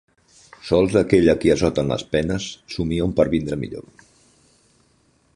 Sols aquell a qui assoten les penes somia un pervindre millor.